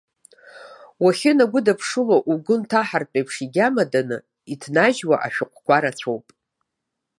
Уахьынагәыдыԥшыло угәы нҭаҳартә еиԥш игьамаданы иҭнажьуа ашәҟәқәа рацәоуп.